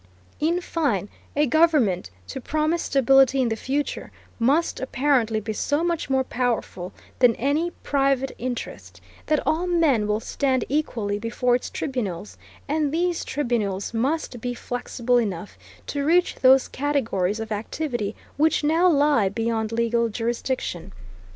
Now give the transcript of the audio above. In fine, a government, to promise stability in the future, must apparently be so much more powerful than any private interest, that all men will stand equally before its tribunals; and these tribunals must be flexible enough to reach those categories of activity which now lie beyond legal jurisdiction.